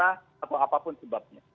atau apapun sebabnya